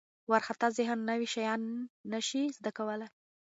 وارخطا ذهن نوي شیان نه شي زده کولی.